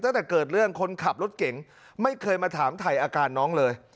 ตั้งแต่เกิดเรื่องคนขับรถเก่งไม่เคยมาถามถ่ายอาการน้องเลย